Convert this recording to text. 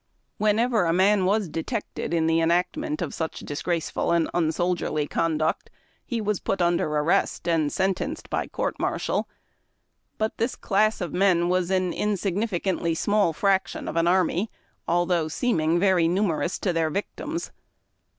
Whenever a man was detected in the enactment of such disgraceful and unsoldierly conduct, he was put under arrest, and sentenced by court martial. But this class of men was an insigniticantly small frac tion of an army, although seeming very numerous to their victims.